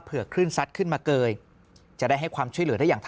คลื่นซัดขึ้นมาเกยจะได้ให้ความช่วยเหลือได้อย่างทัน